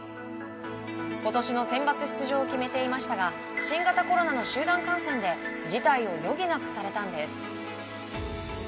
今年のセンバツ出場を決めていましたが新型コロナの集団感染で辞退を余儀なくされたんです。